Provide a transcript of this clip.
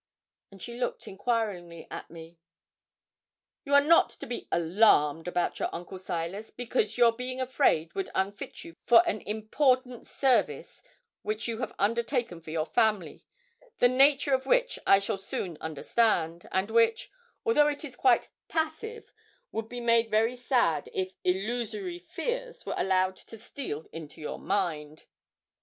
And she looked enquiringly at me. 'You are not to be alarmed about your uncle Silas, because your being afraid would unfit you for an important service which you have undertaken for your family, the nature of which I shall soon understand, and which, although it is quite passive, would be made very sad if illusory fears were allowed to steal into your mind.'